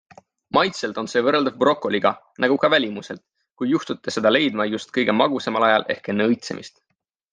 Maitselt on see võrreldav brokoliga - nagu ka välimuselt, kui juhtute seda leidma just kõige magusamal ajal ehk enne õitsemist.